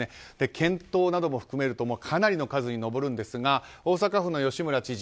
検討なども含めるとかなりの数にのぼるんですが大阪府の吉村知事